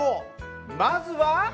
まずは。